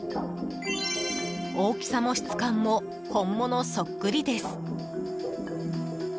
大きさも質感も本物そっくりです。